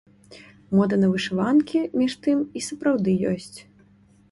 Мода на вышыванкі, між тым, і сапраўды ёсць.